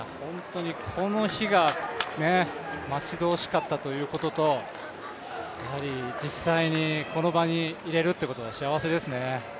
この日が待ち遠しかったということとやはり実際に、この場にいれるということが幸せですね。